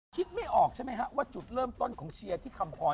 คิดไม่ออกใช่ไหมฮะว่าจุดเริ่มต้นของเชียร์ที่คำออน